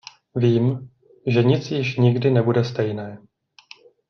Vím, že nic již nikdy nebude stejné.